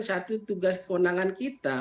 satu tugas kewenangan kita